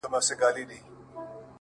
چي بيا ترې ځان را خلاصولای نسم _